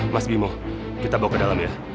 mas bimo kita bawa ke dalam ya